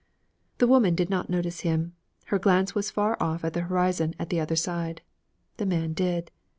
The woman did not notice him. Her glance was far off at the horizon at the other side. The man did.